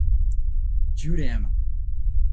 Jurema